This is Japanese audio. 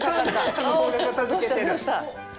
どうしたどうした。